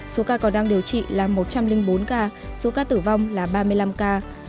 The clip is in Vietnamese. số ca còn đang điều trị là một trăm linh bốn ca số ca tử vong là ba mươi năm ca